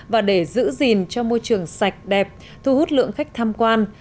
và để giữ gìn cho môi trường sạch đẹp thu hút lượng khách tham quan